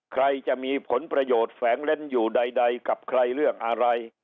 ใครจะมีผลประโยชน์แฝงเล่นอยู่ใดกับใครเรื่องอะไร